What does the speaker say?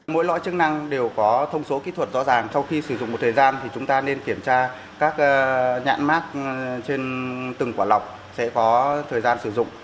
mỗi lõi chức năng đều có thông số kỹ thuật rõ ràng sau khi sử dụng một thời gian thì chúng ta nên kiểm tra các nhãn mát trên từng quả lọc sẽ có thời gian sử dụng